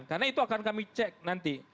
karena itu akan kami cek nanti